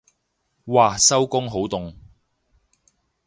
嘩收工好凍